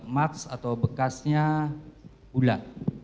mats atau bekasnya ulat